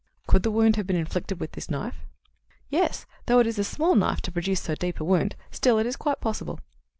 "Could the wound have been inflicted with this knife?" "Yes, though it is a small knife to produce so deep a wound. Still, it is quite possible."